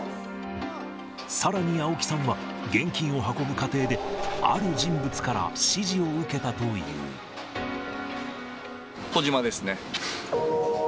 さらに青木さんは、現金を運ぶ過程で、ある人物から指示を受けた小島ですね。